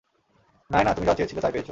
নায়না, তুমি যা চেয়েছিলে তাই পেয়েছো।